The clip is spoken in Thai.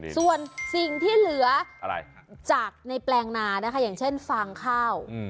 ส่วนสิ่งที่เหลือจากในแปลงนานะคะอย่างเช่นฟางข้าว